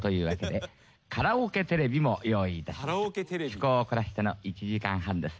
「趣向を凝らしての１時間半です」